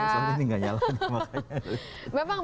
soalnya ini enggak nyala makanya